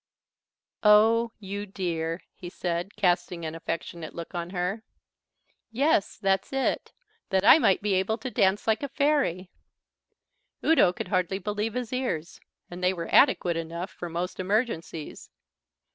"Oh, you dear," he said, casting an affectionate look on her. "Yes, that's it. That I might be able to dance like a fairy." Udo could hardly believe his ears, and they were adequate enough for most emergencies.